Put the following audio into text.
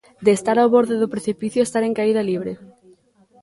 De estar ó borde do precipicio a estar en caída libre.